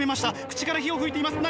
口から火を噴いています。